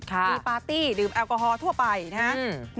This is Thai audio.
มีปาร์ตี้ดื่มแอลกอฮอล์ทั่วไปนะครับ